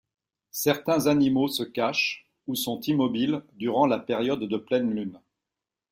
Certains animaux se cachent ou sont immobiles durant la période de pleine lune.